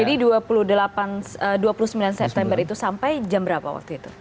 jadi dua puluh sembilan september itu sampai jam berapa waktu itu